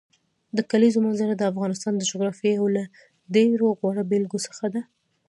د کلیزو منظره د افغانستان د جغرافیې یو له ډېرو غوره بېلګو څخه ده.